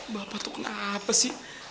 bapak tuh kenapa sih